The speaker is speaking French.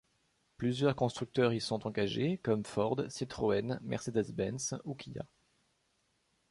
Plusieurs constructeurs y sont engagés comme Ford, Citroën, Mercedes-Benz ou Kia.